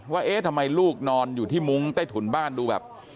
ว่าเอ๊ะทำไมลูกนอนอยู่ที่มุ้งใต้ถุนบ้านดูแบบ